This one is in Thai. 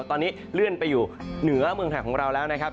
ตอนนี้เลื่อนไปอยู่เหนือเมืองไทยของเราแล้วนะครับ